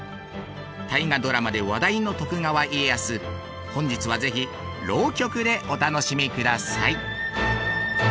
「大河ドラマ」で話題の徳川家康本日は是非浪曲でお楽しみください。